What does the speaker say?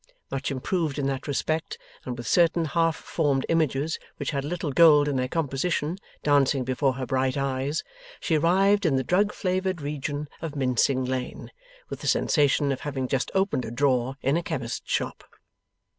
Much improved in that respect, and with certain half formed images which had little gold in their composition, dancing before her bright eyes, she arrived in the drug flavoured region of Mincing Lane, with the sensation of having just opened a drawer in a chemist's shop.